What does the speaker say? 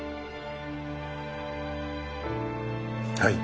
はい。